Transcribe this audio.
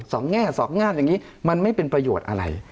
แง่สองแง่อย่างนี้มันไม่เป็นประโยชน์อะไร